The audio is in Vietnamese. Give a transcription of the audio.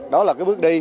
đó là cái bước đi